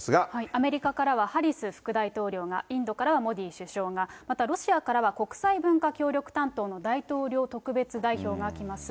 アメリカからはハリス副大統領が、インドからはモディ首相が、またロシアからは、国際文化協力担当の大統領特別代表が来ます。